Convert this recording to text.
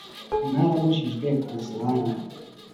Mwarabujijwe kuza iwanyu